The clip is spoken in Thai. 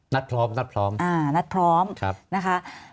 นัดพร้อมนัดพร้อมนัดพร้อมนะคะ